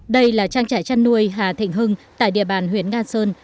đây là trang trại chăn nuôi hà thịnh hưng tại địa bàn huyện nga sơn